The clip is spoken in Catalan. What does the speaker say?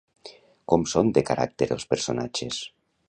Com són de caràcter els personatges?